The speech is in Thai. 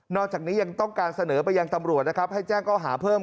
จากนี้ยังต้องการเสนอไปยังตำรวจนะครับให้แจ้งเขาหาเพิ่ม